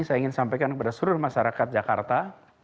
saya ingin sampaikan kepada seluruh masyarakat jakarta